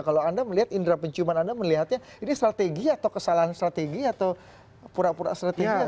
kalau anda melihat indra penciuman anda melihatnya ini strategi atau kesalahan strategi atau pura pura strategi atau gimana